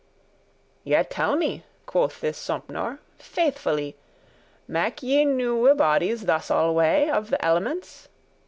"Yet tell me," quoth this Sompnour, "faithfully, Make ye you newe bodies thus alway Of th' elements?"